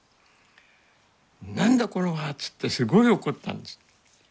「何だこれは！」っつってすごい怒ったんです。